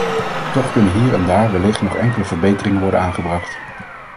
Toch kunnen hier en daar wellicht nog enkele verbeteringen worden aangebracht.